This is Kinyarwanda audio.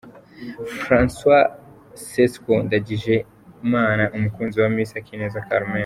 Francois Cesco Ndagijimana umukunzi wa Miss Akineza Carmen.